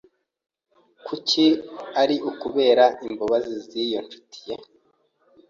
Kuki ari ukubera imbabazi z'iyo nshuti ye?